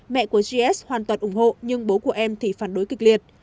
mẹ của gs hoàn toàn ủng hộ nhưng bố của em thì phản đối kịch liệt